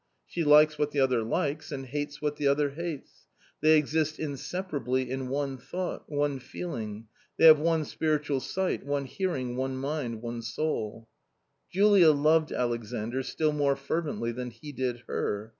She likes what the other likes, and hates what the other hates. They exist inseparably in one thought, one feeling ; they have one spiritual sight, one hearing, one mind, one soul. Julia loved Alexandr still more fervently than he did her.